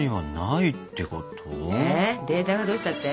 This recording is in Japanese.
えっデータがどうしたって？